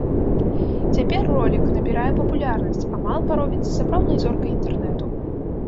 Цяпер ролік набірае папулярнасць, а малпа робіцца сапраўднай зоркай інтэрнету.